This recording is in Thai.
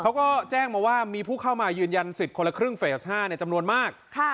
เขาก็แจ้งมาว่ามีผู้เข้ามายืนยันสิทธิ์คนละครึ่งเฟส๕จำนวนมาก